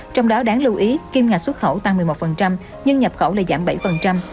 trong đó đáng lưu ý kim ngạch xuất khẩu tăng một mươi một nhưng nhập khẩu lại giảm bảy